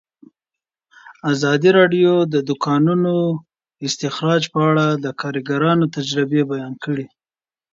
ازادي راډیو د د کانونو استخراج په اړه د کارګرانو تجربې بیان کړي.